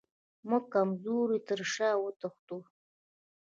موږ د کمزورو تر شا وتښتو.